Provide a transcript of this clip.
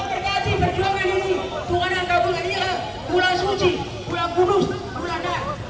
tapi bedanya generasi ke dua baru saja